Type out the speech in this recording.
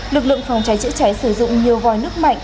lực lượng phòng cháy chữa cháy sử dụng nhiều vòi nước mạnh